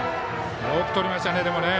よくとりましたね。